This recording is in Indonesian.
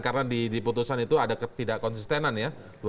karena di putusan itu ada ketidak konsistenan ya